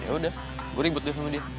yaudah gue ribet deh sama dia